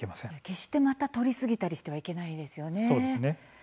決してまた取りすぎたりしてはいけないですよね。